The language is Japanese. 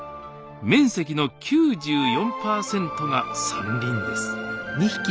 面積の９４％が山林です